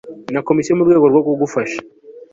na komisiyo mu rwego rwo kugufasha